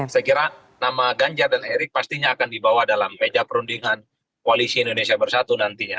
saya kira nama ganjar dan erick pastinya akan dibawa dalam meja perundingan koalisi indonesia bersatu nantinya